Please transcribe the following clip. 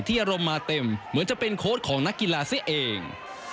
ที่เยี่ยมมาเต็มเหมือนเป็นโค้ชของนักกีฬาซะเอง